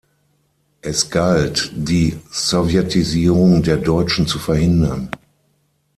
Es galt, die Sowjetisierung der Deutschen zu verhindern.